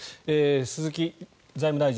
鈴木財務大臣